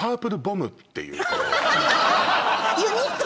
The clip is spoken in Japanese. ユニット